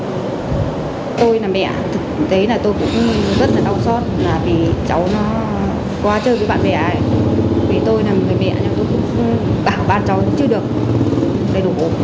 vì tôi là một người mẹ tôi cũng bảo ba cháu nó chưa được đầy đủ